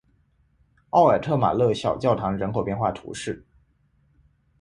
奥尔特马勒小教堂人口变化图示